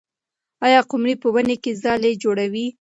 آیا قمري په ونې کې ځالۍ جوړوي؟